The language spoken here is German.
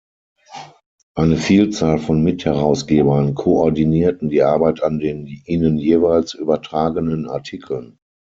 Eine Vielzahl von Mitherausgebern koordinierten die Arbeit an den ihnen jeweils übertragenen Artikeln.